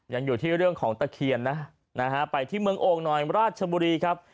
ยังอยู่ที่เรื่องของตะเคียนนะนะฮะไปที่เมืองโอ่งหน่อยราชบุรีครับ